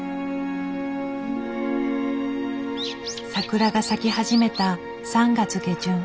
桜が咲き始めた３月下旬。